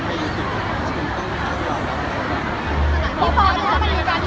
เพราะฉะนั้นมันก็จะมันก็จะมันก็จะไม่ไม่อยู่ติด